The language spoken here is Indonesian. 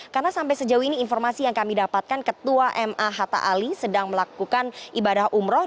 karena sampai sejauh ini informasi yang kami dapatkan ketua ma hatta ali sedang melakukan ibadah umroh